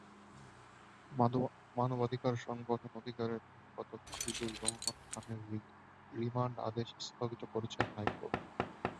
মানবাধিকার সংগঠন অধিকারের সম্পাদক আদিলুর রহমান খানের রিমান্ড আদেশ স্থগিত করেছেন হাইকোর্ট।